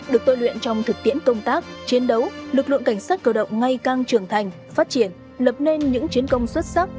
được tôi luyện trong thực tiễn công tác chiến đấu lực lượng cảnh sát cơ động ngay càng trưởng thành phát triển lập nên những chiến công xuất sắc